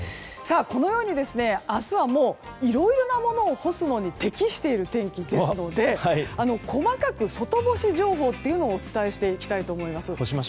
このように明日はいろいろなものを干すのに適しているので細かく情報をお伝えしていきたいと思います。